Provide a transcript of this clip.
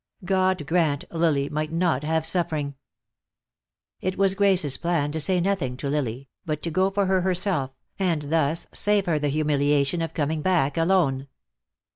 God grant Lily might not have suffering. It was Grace's plan to say nothing to Lily, but to go for her herself, and thus save her the humiliation of coming back alone.